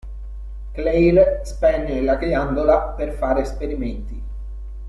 Claire spegne la ghiandola per fare esperimenti.